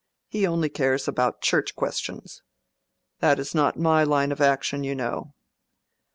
He only cares about Church questions. That is not my line of action, you know."